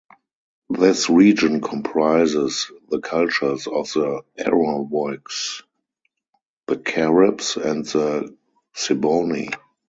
This region comprises the cultures of the Arawaks, the Caribs, and the Ciboney.